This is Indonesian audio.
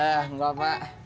eh gak pak